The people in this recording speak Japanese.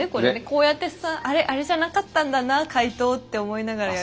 こうやって「あれ？あれじゃなかったんだな回答」って思いながらやる。